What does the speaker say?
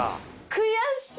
悔しい！